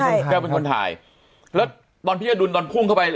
ใช่แก้วเป็นคนถ่ายแล้วตอนพี่อดุลตอนพุ่งเข้าไป